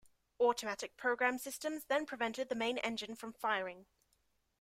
Automatic programmed systems then prevented the main engine from firing.